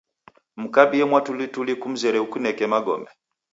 Mkabie mwatulituli kumzere ukuneneke magome